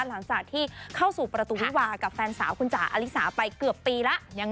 หลังจากที่เข้าสู่ประตูวิวากับแฟนสาวคุณจ๋าอลิสาไปเกือบปีแล้ว